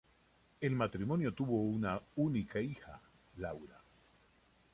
El matrimonio tuvo una única hija Laura.